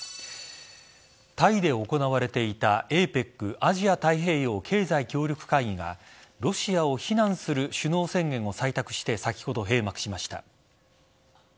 タイで行われていたＡＰＥＣ＝アジア太平洋経済協力会議がロシアを非難する首脳宣言を採択して先ほど閉幕しました。